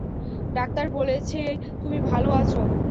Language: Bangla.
ডাক্তার বলেছে তুমি ভালো আছ।